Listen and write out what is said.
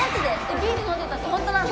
ビール飲んでたのホントなんだ